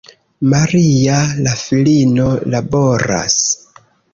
Maria, la filino, laboras.